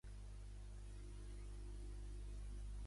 Telefona al Yahya Portela.